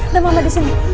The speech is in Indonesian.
ada mama disini